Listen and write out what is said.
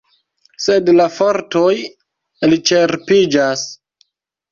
Sed la fortoj elĉerpiĝas.